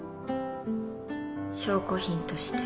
証拠品として。